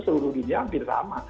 seluruh dunia hampir sama